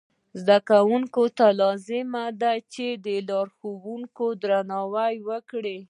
زده کوونکو ته لازمه ده چې د لارښوونکو درناوی وکړي.